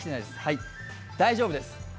大丈夫です。